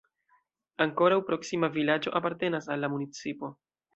Ankoraŭ proksima vilaĝo apartenas al la municipo.